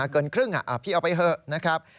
เกินครึ่งพี่เอาไปเถอะนะครับ